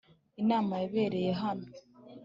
inama yabereye hano